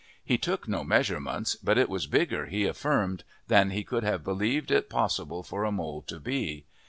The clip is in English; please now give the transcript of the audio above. He took no measurements, but it was bigger, he affirmed, than he could have believed it possible for a mole to be.